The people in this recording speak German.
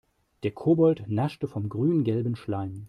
Der Kobold naschte vom grüngelben Schleim.